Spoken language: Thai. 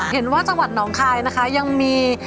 เห็นว่าจังหวัดหนองคลายยังมี